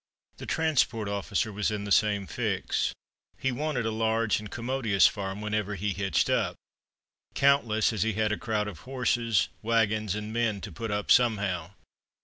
The transport officer was in the same fix; he wanted a large and commodious farm whenever he hitched up countless as he had a crowd of horses, wagons and men to put up somehow.